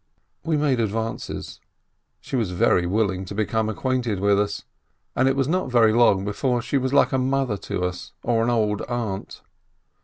We made advances. She was very willing to become acquainted with us, and it was not very long before she was like a mother to us, or an old aunt.